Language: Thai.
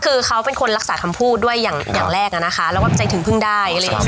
คือเขาเป็นคนรักษาคำพูดด้วยอย่างแรกอะนะคะแล้วก็ใจถึงพึ่งได้อะไรอย่างนี้